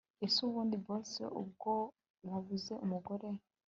ese ubundi boss ubwo wabuze umugore